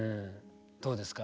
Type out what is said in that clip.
どうですか？